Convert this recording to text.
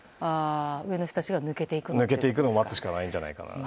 上の人が抜けていくのを待つしかないんじゃないかなと。